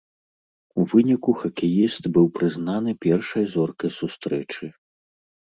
У выніку хакеіст быў прызнаны першай зоркай сустрэчы.